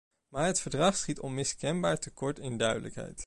Maar het verdrag schiet onmiskenbaar te kort in duidelijkheid.